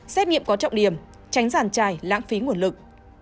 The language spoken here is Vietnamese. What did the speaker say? xét nghiệm có trọng điểm tránh giàn trải lãng phí nguồn lực